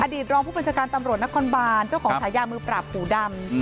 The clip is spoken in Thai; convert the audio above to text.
รองผู้บัญชาการตำรวจนครบานเจ้าของฉายามือปราบหูดำ